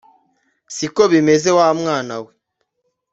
siko bimeze wamwana we